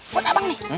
buat abang nih